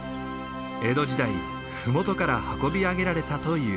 江戸時代麓から運び上げられたという。